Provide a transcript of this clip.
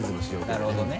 なるほどね。